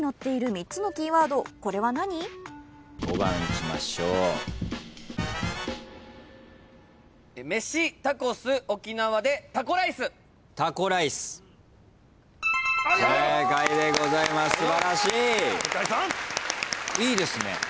いいですね。